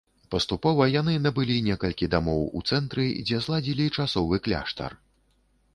Паступова яны набылі некалькі дамоў у цэнтры, дзе зладзілі часовы кляштар.